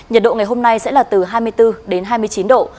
nhiệt độ ngày hôm nay sẽ là từ hai mươi bốn đến hai mươi chín độ